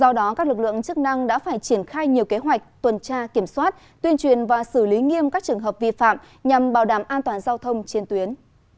do đó các lực lượng chức năng đã phải triển khai nhiều kế hoạch tuần tra kiểm soát tuyên truyền và xử lý nghiêm các trường hợp vi phạm nhằm bảo đảm an toàn giao thông trên tuyến